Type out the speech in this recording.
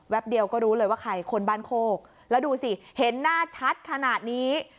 เดียวก็รู้เลยว่าใครคนบ้านโคกแล้วดูสิเห็นหน้าชัดขนาดนี้